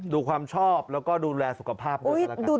ดูความชอบแล้วก็ดูแลสุขภาพด้วยก็แล้วกัน